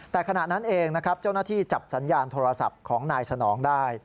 แต่ขณะนั้นเองนะครับเจ้าหน้าที่จับสัญญาณโทรศัพท์ของนายสนองได้